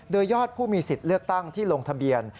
โดยยอดผู้มีสิทธิ์เลือกตั้งที่ลงทะเบียน